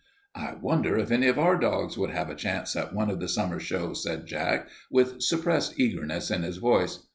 "I wonder if any of our dogs would have a chance at one of the summer shows," said Jack, with suppressed eagerness in his voice.